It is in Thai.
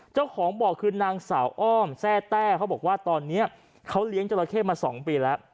เจ้าของบ่อคือนางสาวอ้อมแทร่แต้เขาบอกว่าตอนนี้เขาเลี้ยงจราเข้มา๒ปีแล้ว